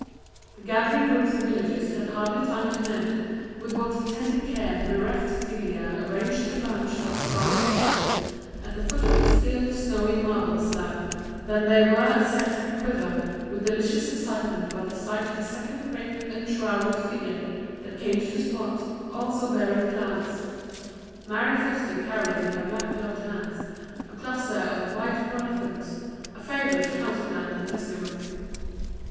The gathering groups of villagers had hardly time to note with what tender care the bereft Delia arranged her bunch of scarlet blossoms at the foot of the still snowy marble slab than they were set aquiver with delicious excitement by the sight of a second crape enshrouded figure that came to the spot, also bearing flowers. Mary Foster carried in her black gloved hands a cluster of white pyrethrums, a favorite house plant in Tuskamuck.